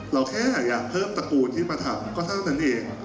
เราแค่อยากเพิ่มตระกูลที่มาทำก็เท่านั้นเอง